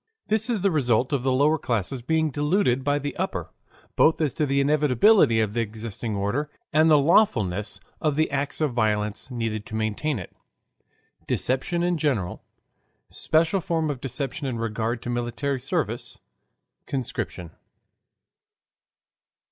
This is the Result of the Lower Classes being Deluded by the Upper, Both as to the Inevitability of the Existing Order and the Lawfulness of the Acts of Violence Needed to Maintain it Deception in General Special Form of Deception in Regard to Military Service Conscription.